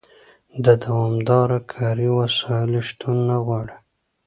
د دوامداره کاري وسایلو شتون نه غواړي.